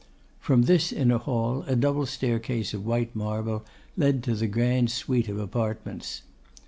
From this inner hall a double staircase of white marble led to the grand suite of apartments.